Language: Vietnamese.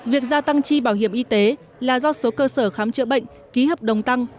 việc gia tăng chi bảo hiểm y tế là do số cơ sở khám chữa bệnh ký hợp đồng tăng